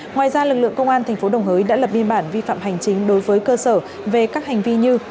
ngoài ra lực lượng công an tp đồng hới đã lập biên bản vi phạm hành chính đối với cơ sở về các hành vi như